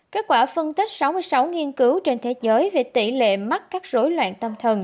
kết quả phân tích sáu mươi sáu nghiên cứu trên thế giới về tỷ lệ mắc các rối loạn tâm thần